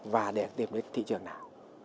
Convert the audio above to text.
và để tìm được thị trường nào